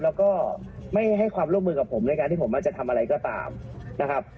แล้วก็ไม่ให้ความร่วมมือกับผมในการที่ผมจะทำอะไรก็ตามนะครับ